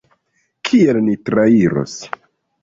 Kiel ni trairos?